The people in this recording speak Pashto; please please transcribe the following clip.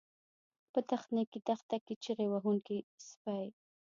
په تخنیکي دښته کې چیغې وهونکي سپي